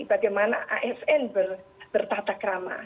bagaimana asn bertata krama